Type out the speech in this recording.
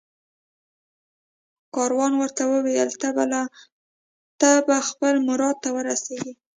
کاروان ورته وویل ته به خپل مراد ته ورسېږې